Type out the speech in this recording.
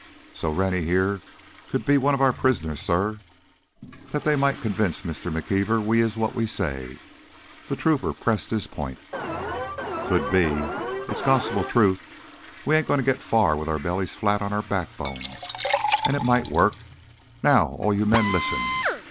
"So Rennie heah could be one of our prisoners, suh. That theah might convince Mistuh McKeever we's what we say " the trooper pressed his point. "Could be. It's gospel truth we ain't goin' to get far with our bellies flat on our backbones. And it might work. Now, all of you men, listen...."